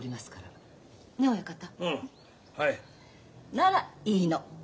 ならいいの。